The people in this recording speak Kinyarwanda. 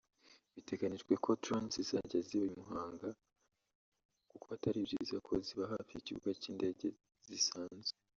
Biteganyijwe ko drones zizajya ziba i Muhanga kuko atari byiza ko ziba hafi y’ikibuga cy’indege zisanzwe